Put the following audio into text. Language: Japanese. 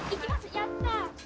やったー。